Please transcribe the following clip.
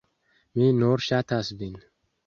Mi nur ŝatas vin!